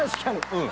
うん。